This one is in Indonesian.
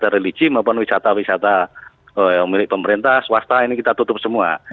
religi maupun wisata wisata yang milik pemerintah swasta ini kita tutup semua